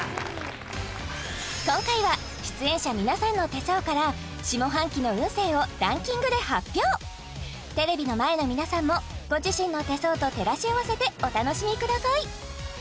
今回は出演者皆さんの手相から下半期の運勢をランキングで発表テレビの前の皆さんもご自身の手相と照らし合わせてお楽しみください